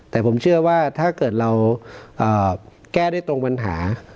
แต่ผมเชื่อว่าถ้าเกิดเราแก้ได้ตรงปัญหา